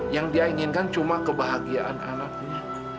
yang dia inginkan cuma kebahagiaan anaknya